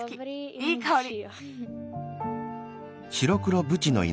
いいかおり！